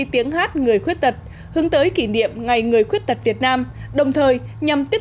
tiếng hát người khuyết tật hướng tới kỷ niệm ngày người khuyết tật việt nam đồng thời nhằm tiếp